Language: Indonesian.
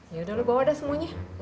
yaudah lu bawa deh semuanya